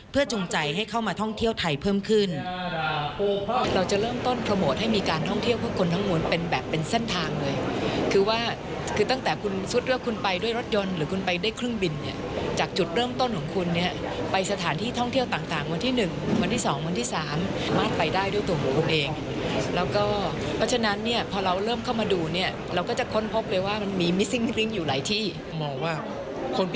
เพื่อจุงใจให้เข้ามาท่องเที่ยวไทยเพิ่มขึ้น